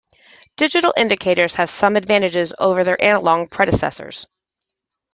Digital indicators have some advantages over their analog predecessors.